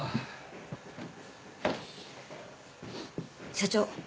社長